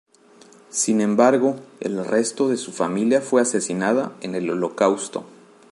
Sin embargo, el resto de su familia fue asesinada en el Holocausto.